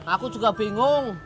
aku juga bingung